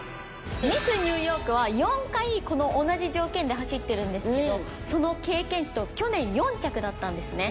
ミスニューヨークは４回この同じ条件で走ってるんですけどその経験値と去年４着だったんですね。